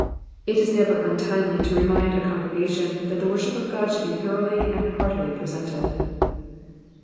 It is never untmiely to remind a congregation that the worship of God should be thought fully and heartily presented.